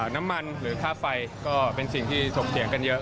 น้ำมันหรือค่าไฟก็เป็นสิ่งที่ส่งเสียงกันเยอะ